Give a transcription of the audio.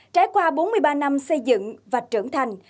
trải qua bốn mươi ba năm xây dựng và trưởng thành